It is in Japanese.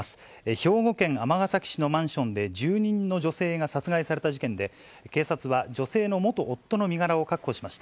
兵庫県尼崎市のマンションで住人の女性が殺害された事件で、警察は、女性の元夫の身柄を確保しました。